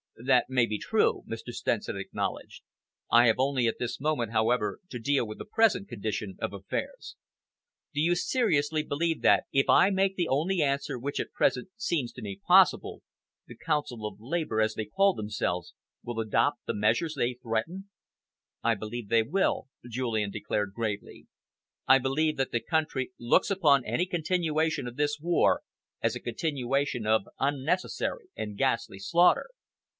"That may be true," Mr. Stenson acknowledged. "I have only at this moment, however, to deal with the present condition of affairs. Do you seriously believe that, if I make the only answer which at present seems to me possible, the Council of Labour, as they call themselves, will adopt the measures they threaten?" "I believe that they will," Julian declared gravely. "I believe that the country looks upon any continuation of this war as a continuation of unnecessary and ghastly slaughter.